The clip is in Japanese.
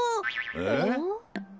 えっ？